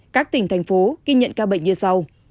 các tỉnh thành phố ghi nhận ca bệnh như sau